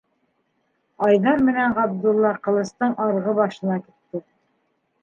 - Айҙар менән Ғабдулла Ҡылыстың арғы башына китте.